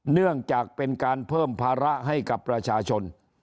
เนื่องจากเป็นการเพิ่มภาระให้กับประชาชน